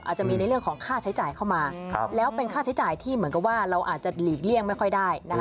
อาจจะมีในเรื่องของค่าใช้จ่ายเข้ามาแล้วเป็นค่าใช้จ่ายที่เหมือนกับว่าเราอาจจะหลีกเลี่ยงไม่ค่อยได้นะคะ